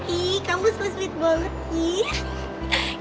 ih kamu sobat sempet boleh